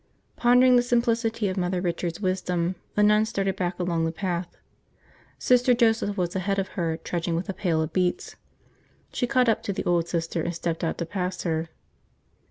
Pondering the simplicity of Mother Richard's wisdom, the nun started back along the path. Sister Joseph was ahead of her, trudging with a pail of beets. She caught up to the old Sister and stepped out to pass her.